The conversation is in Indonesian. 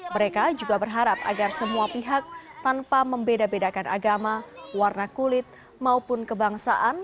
mereka juga berharap agar semua pihak tanpa membeda bedakan agama warna kulit maupun kebangsaan